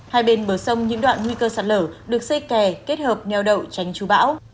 hai bên bờ sông những đoạn nguy cơ sạt lở được xây kè kết hợp nheo đậu tránh chú bão